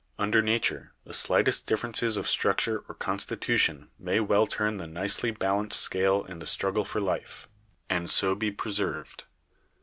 Under nature, the slightest differences of struc ture or constitution may well turn the nicely balanced scale in the struggle for life, and so be preserved.